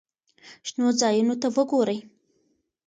شنو ځایونو ته وګورئ.